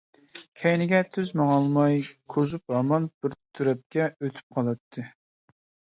كەينىگە تۈز ماڭالماي كوزۇپ ھامان بىر تەرەپكە ئۆتۈپ قالاتتى.